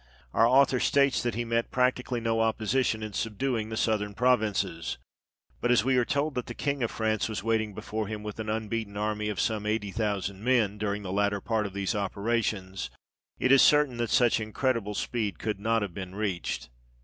Our author states that he met practically no opposition in subduing the southern provinces ; but as we are told that the King of France was waiting before him with an unbeaten army of some 80,000 men during the latter part of these operations, it is certain that such incredible speed could not have been reached (p.